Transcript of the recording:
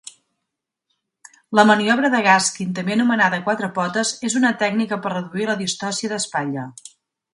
La maniobra de Gaskin, també anomenada quatre potes, és una tècnica per a reduir la distòcia d'espatlla.